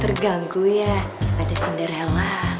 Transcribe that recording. terganggu ya pada cinderella